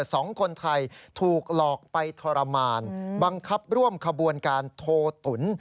สองคนไทยถูกหลอกไปทรมานบังคับร่วมขบวนการโทตุ๋น